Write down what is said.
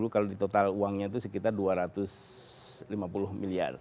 kalau di total uangnya itu sekitar dua ratus lima puluh miliar